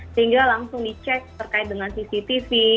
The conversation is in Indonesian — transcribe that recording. sehingga langsung dicek terkait dengan cctv